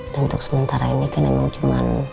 dan untuk sementara ini kan emang cuman